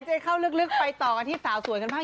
จะให้เข้าลึกไปต่อกันที่สาวสวยกันบ้าง